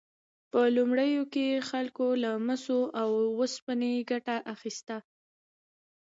په لومړیو کې خلکو له مسو او اوسپنې ګټه اخیسته.